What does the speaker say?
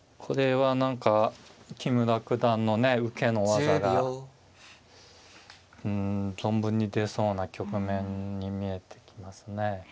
これは何か木村九段のね受けの技がうん存分に出そうな局面に見えてきますね。